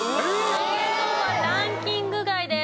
三元豚はランキング外です。